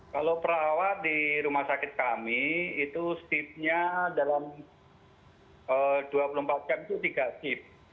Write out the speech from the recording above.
kalau perawat di rumah sakit kami itu shiftnya dalam dua puluh empat jam itu tiga shift